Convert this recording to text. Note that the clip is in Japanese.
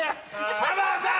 浜田さん！